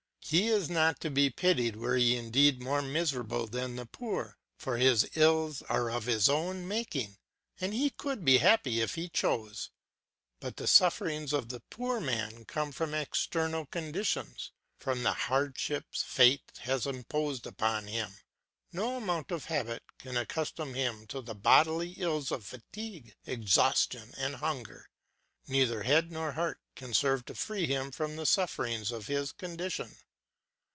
He is not to be pitied were he indeed more miserable than the poor, for his ills are of his own making, and he could be happy if he chose. But the sufferings of the poor man come from external things, from the hardships fate has imposed upon him. No amount of habit can accustom him to the bodily ills of fatigue, exhaustion, and hunger. Neither head nor heart can serve to free him from the sufferings of his condition.